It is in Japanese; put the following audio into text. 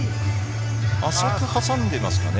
挟んでいますかね？